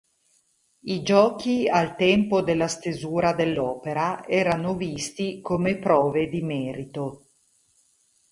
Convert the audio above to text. I giochi al tempo della stesura dell'opera erano visti come prove di merito.